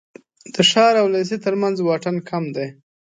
د ښار او لېسې تر منځ واټن کم دی.